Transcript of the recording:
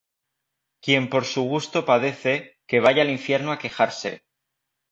Quien por su gusto padece, que vaya al infierno a quejarse.